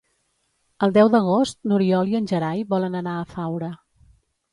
El deu d'agost n'Oriol i en Gerai volen anar a Faura.